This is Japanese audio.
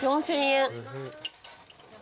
４，０００円？